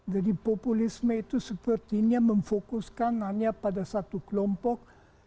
jadi populisme itu sepertinya memfokuskan hanya pada satu kelompok